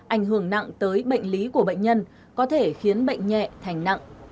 ảnh hưởng nặng tới bệnh lý của bệnh nhân có thể khiến bệnh nhẹ thành nặng